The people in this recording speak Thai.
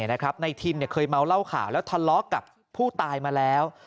นายทินเคยเมาเหล้าขาวแล้วทะเลาะกับผู้ตายมาแล้ว